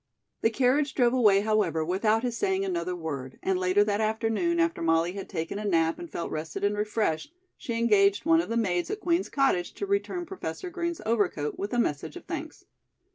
The carriage drove away, however, without his saying another word, and later that afternoon, after Molly had taken a nap and felt rested and refreshed, she engaged one of the maids at Queen's cottage to return Professor Green's overcoat with a message of thanks.